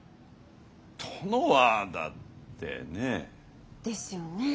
殿はだってねえ？ですよねえ。